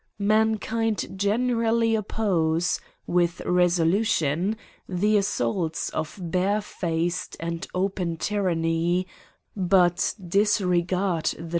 Mankind generally oppose, with resolution, the assaults of barefaced and open tyranny, but disregard the GRIMES AND PUNISHMENTS.